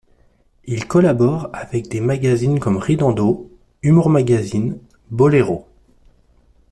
Il collabore alors avec des magazines comme Ridendo, Humour Magazine, Boléro.